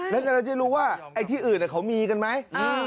แล้วเราจะรู้ว่าไอ้ที่อื่นเขามีกันไหม